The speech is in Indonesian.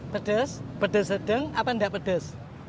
pedes pedes sedeng apa enggak pedes